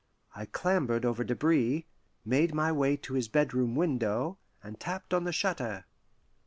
I clambered over debris, made my way to his bedroom window, and tapped on the shutter.